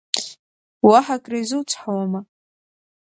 Уаҳа акры изуцҳауама?